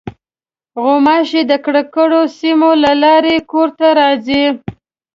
غوماشې د ککړو سیمو له لارې کور ته راځي.